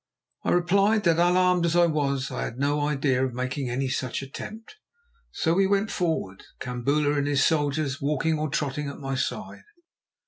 I replied that, unarmed as I was, I had no idea of making any such attempt. So we went forward, Kambula and his soldiers walking or trotting at my side.